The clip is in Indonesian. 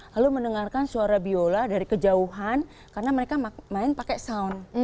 lalu mendengarkan suara biola dari kejauhan karena mereka main pakai sound